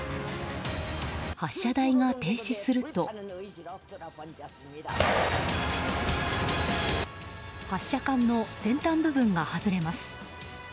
発射台が停止すると発射管の先端部分が外れます。